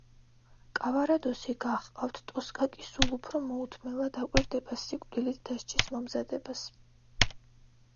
კავარადოსი გაჰყავთ, ტოსკა კი სულ უფრო მოუთმენლად აკვირდება სიკვდილით დასჯის მომზადებას.